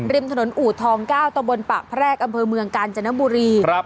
ริมถนนอู่ทอง๙ตะบนปากแพรกอำเภอเมืองกาญจนบุรี